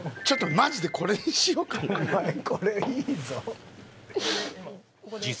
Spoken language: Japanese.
ちょっとマジでこれにしようかな。